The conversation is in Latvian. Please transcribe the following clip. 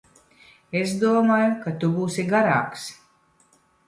Es domāju, ka tu būsi garāks.